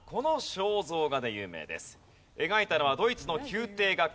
描いたのはドイツの宮廷画家